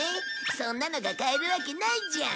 そんなのが買えるわけないじゃん。